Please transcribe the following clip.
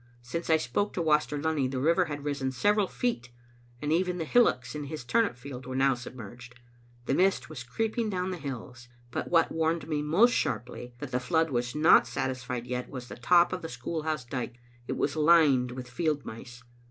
Since I spoke to Waster Lunny the river had risen several feet, and even the hillocks in his turnip field were now sub merged. The mist was creeping down the hills. But what warned me most sharply that the flood was not satisfied yet was the top of the school house dike; it was lined with field mice.